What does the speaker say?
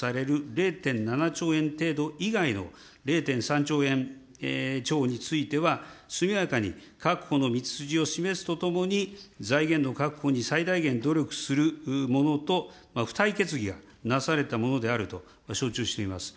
０．７兆円程度以外の０．３兆円超については、速やかに確保の道筋を示すとともに、財源の確保に最大限努力するものと、付帯決議がなされたものであると承知をしています。